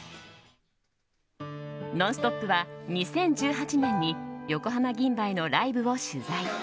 「ノンストップ！」は２０１８年に横浜銀蝿のライブを取材。